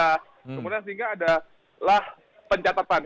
kemudian sehingga ada lah pencatatan